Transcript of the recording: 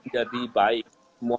jadi baik semua